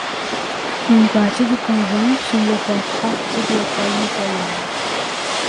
Une partie du couvent semble faire partie de l'école mitoyenne.